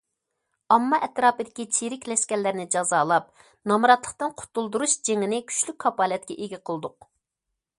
ئامما ئەتراپىدىكى چىرىكلەشكەنلەرنى جازالاپ، نامراتلىقتىن قۇتۇلدۇرۇش جېڭىنى كۈچلۈك كاپالەتكە ئىگە قىلدۇق.